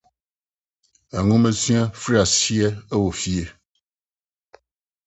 Nhomasua fi ase wɔ fie.